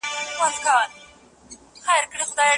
زه داسلام سره مینه لرم.